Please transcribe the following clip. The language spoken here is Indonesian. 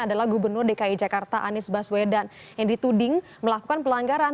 adalah gubernur dki jakarta anies baswedan yang dituding melakukan pelanggaran